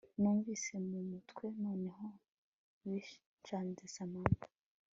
Numvise mu mutwe noneho binshanze Samantha